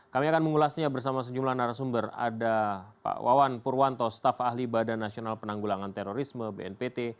kami akan mengulasnya bersama sejumlah narasumber ada pak wawan purwanto staf ahli badan nasional penanggulangan terorisme bnpt